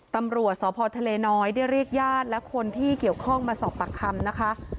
ตำรวจสพทะเลน้อยได้เรียกญาติและคนที่เกี่ยวข้องมาสอบปากคำนะคะ